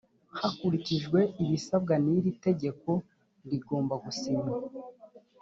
hakurikijwe ibisabwa iri tegeko rigomba gusinywa